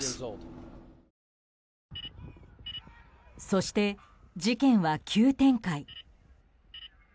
そして、事件は急展開。